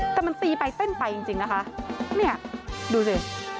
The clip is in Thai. แต่มันตีไปเต้นไปจริงจริงนะคะเนี่ยดูสิ